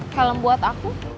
kalem buat aku